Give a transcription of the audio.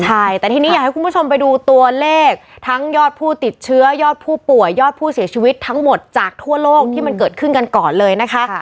ใช่แต่ทีนี้อยากให้คุณผู้ชมไปดูตัวเลขทั้งยอดผู้ติดเชื้อยอดผู้ป่วยยอดผู้เสียชีวิตทั้งหมดจากทั่วโลกที่มันเกิดขึ้นกันก่อนเลยนะคะ